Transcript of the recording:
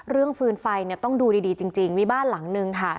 เรื่องฟื้นไฟต้องดูดีจริงวิบ้านหลังนึงค่ะ